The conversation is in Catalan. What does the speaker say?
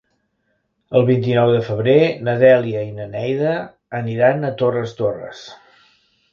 El vint-i-nou de febrer na Dèlia i na Neida aniran a Torres Torres.